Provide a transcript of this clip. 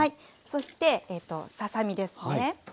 そしてささ身ですね。